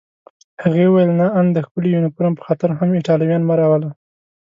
هغې وویل: نه، آن د ښکلي یونیفورم په خاطر هم ایټالویان مه راوله.